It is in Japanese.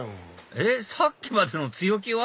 えっさっきまでの強気は？